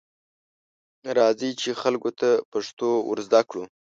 راځئ، چې خلکو ته پښتو ورزده کړو.